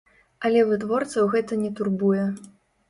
Але вытворцаў гэта не турбуе.